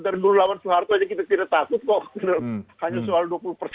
dari dulu lawan soeharto aja kita tidak takut kok